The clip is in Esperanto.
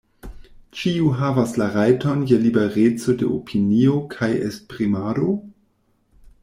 Ĉiu havas la rajton je libereco de opinio kaj esprimado.